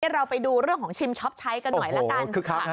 เราไปดูเรื่องของชิมช็อปใช้กันหน่อยละกัน